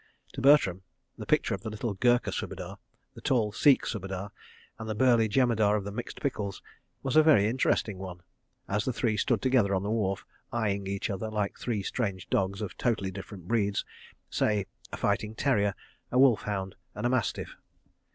To Bertram, the picture of the little Gurkha Subedar, the tall Sikh Subedar, and the burly Jemadar of the Mixed Pickles, was a very interesting one, as the three stood together on the wharf, eyeing each other like three strange dogs of totally different breeds—say, a fighting terrier, a wolf hound and a mastiff.